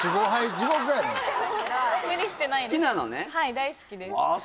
はい大好きですあっ